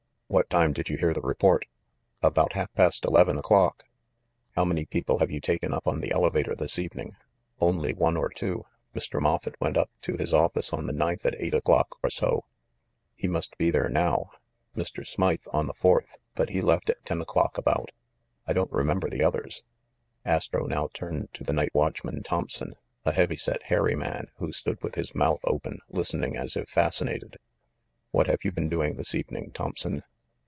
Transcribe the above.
"What time did you hear the report?" "About half past eleven o'clock." "How many people have you taken up on the ele vator this evening?" "Only one or two. Mr. Moffett went up to his office on the ninth at eight o'clock or so — he must be there now — Mr. Smythe, on the fourth; but he left at ten o'clock, about. I don't remember the others." Astro now turned to the night watchman, Thomp son, a heavy set hairy man, who stood with his mouth open, listening as if fascinated. "What have you been doing this evening, Thomp son?"